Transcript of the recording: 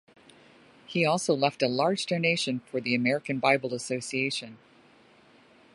He also left a large donation for the American Bible Association.